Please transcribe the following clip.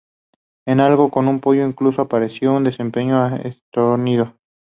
En "Algo con un pollo", incluso aparece un desdeñoso estornino.